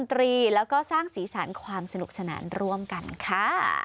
ตรีแล้วก็สร้างสีสันความสนุกสนานร่วมกันค่ะ